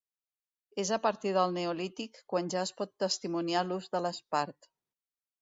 És a partir del Neolític quan ja es pot testimoniar l'ús de l'espart.